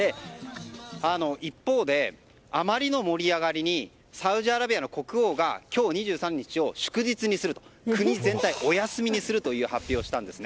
一方で、あまりの盛り上がりにサウジアラビアの国王が今日２３日を祝日にすると国全体をお休みにすると発表をしたんです。